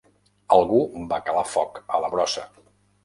Algú va calar foc a la brossa.